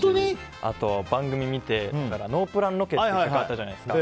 あと、番組を見てノープランロケってあったじゃないですか。